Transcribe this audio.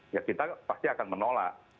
ya kita pasti akan menolak